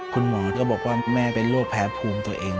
คุณหมอก็บอกว่าแม่เป็นโรคแพ้ภูมิตัวเอง